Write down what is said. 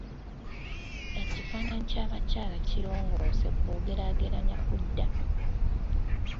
Ekifaananyi ky'abakyala kirongoose bw'ogeraageranya ku dda.